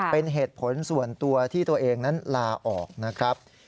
เป็นเหตุผลส่วนตัวที่ตัวเองนั้นลาออกนะครับ